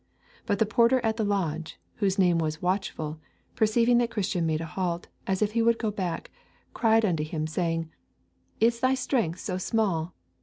But the porter at the lodge, whose name was Watchful, perceiving that Christian made a halt, as if he would go back, cried unto him, saying, 'Is thy strength so small?